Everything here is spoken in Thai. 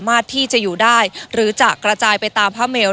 มมาดที่จะอยู่ได้หรือจะกระจ่ายไปตามผ่าเมน